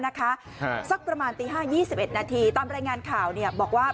สักประมาณตี๕๒๑นาทีตามรายงานข่าวบอกว่า